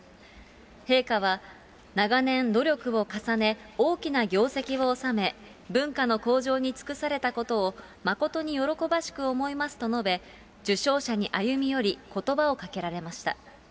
陛下は、長年、努力を重ね、大きな業績を収め、文化の向上に尽くされたことを誠に喜ばしく思いますと述べ、受章者に歩み寄り、ことばをかけられました。